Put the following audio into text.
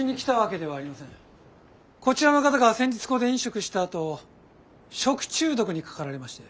こちらの方が先日ここで飲食したあと食中毒にかかられまして。